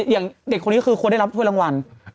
อย่างเด็กคนนี้ก็คือควรได้รับถ้วยรางวัล